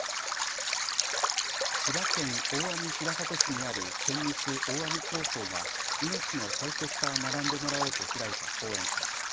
千葉県大網白里市にある県立大網高校が命の大切さを学んでもらおうと開いた講演会。